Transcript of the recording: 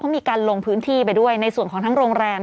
มีการลงพื้นที่ไปด้วยในส่วนของทั้งโรงแรม